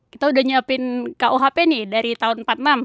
kita udah nyiapin kuhp nih dari tahun empat puluh enam